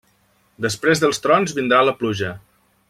Després dels trons vindrà la pluja.